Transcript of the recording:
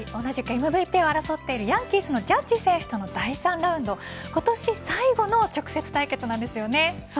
ＭＶＰを争うヤンキースジャッジ選手との第３ラウンド今年最後の直接対決だったんですよね。